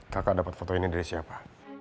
kakak dapat foto ini dari siapa